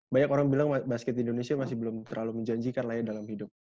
banyak orang bilang basket di indonesia masih belum terlalu menjanjikan lah ya dalam hidup